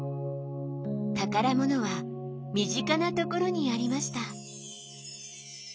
宝物は身近なところにありました。